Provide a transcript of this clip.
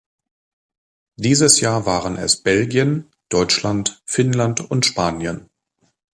Dieses Jahr waren es Belgien, Deutschland, Finnland und Spanien.